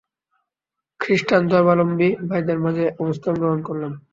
খৃষ্টান ধর্মাবলম্বী ভাইদের মাঝে অবস্থান গ্রহণ করলাম।